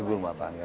ibu rumah tangga